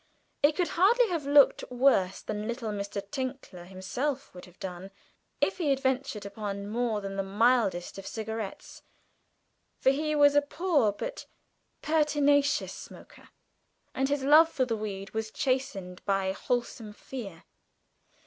It could hardly have looked worse than little Mr. Tinkler himself would have done, if he had ventured upon more than the mildest of cigarettes, for he was a poor but pertinacious smoker, and his love for the weed was chastened by wholesome fear.